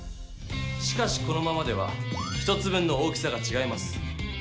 しかしこのままでは１つ分の大きさがちがいます。